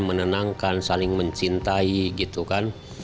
menenangkan saling mencintai gitu kan